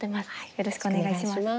よろしくお願いします。